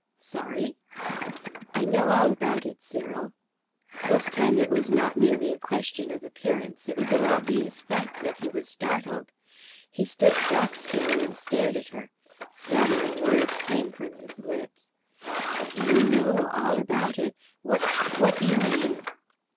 "Sorry?" "I know all about it, Cyril." This time it was not merely a question of appearance. It was an obvious fact that he was startled. He stood stock still and stared at her. Stammering words came from his lips. "You know all about it? What what do you mean?"